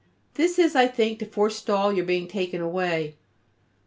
This is, I think, to forstall your being taken away.